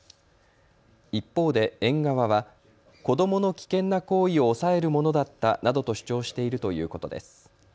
一方で園側は子どもの危険な行為を抑えるものだったなどと主張しているということです。